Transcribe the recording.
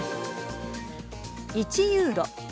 １ユーロ。